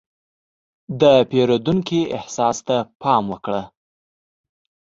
د پیرودونکي احساس ته پام وکړه.